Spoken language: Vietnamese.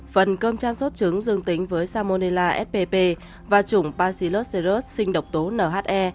phần cơm trang sốt trứng dương tính với salmonella spp và trủng palsilocerat sinh độc tố nhe